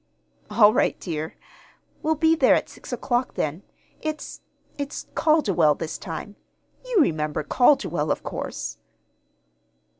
"All right, dear. We'll be there at six o'clock then. It's it's Calderwell, this time. You remember Calderwell, of course."